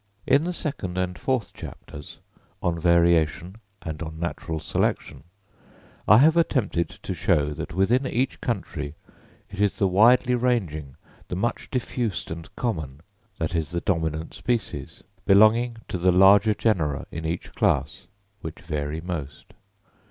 In the second and fourth chapters, on Variation and on Natural Selection, I have attempted to show that within each country it is the widely ranging, the much diffused and common, that is the dominant species, belonging to the larger genera in each class, which vary most.